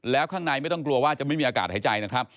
แล้วข้างในไม่ต้องกลัวว่าจะไม่มีอากาศหายใจนะครับ